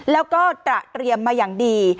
แล้วก็ตระเตรียมมาอย่างดี